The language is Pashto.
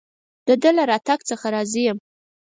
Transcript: د ده له راتګ څخه راضي یم.